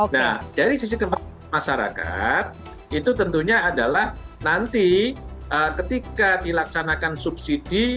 nah dari sisi kepentingan masyarakat itu tentunya adalah nanti ketika dilaksanakan subsidi